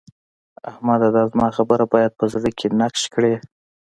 احمده! دا زما خبره بايد په زړه کې نقش کړې.